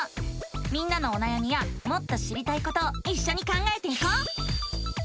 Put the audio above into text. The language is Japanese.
みんなのおなやみやもっと知りたいことをいっしょに考えていこう！